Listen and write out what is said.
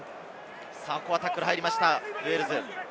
タックルに入りました、ウェールズ。